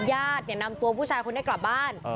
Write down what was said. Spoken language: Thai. ญาตินำตัวผู้ชายคนนี้กลับบ้าน